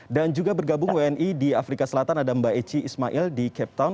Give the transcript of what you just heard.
dan juga bergabung wni di afrika selatan ada mbak eci ismail di cape town